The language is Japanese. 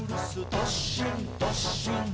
どっしんどっしん」